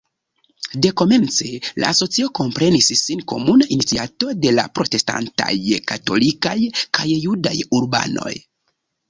Dekomence la asocio komprenis sin komuna iniciato de la protestantaj, katolikaj kaj judaj urbanoj.